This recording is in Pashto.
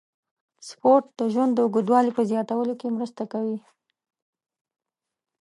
سپورت د ژوند د اوږدوالي په زیاتولو کې مرسته کوي.